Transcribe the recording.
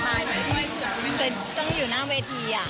ปรึกก่อนนอนทุกวันนะคะ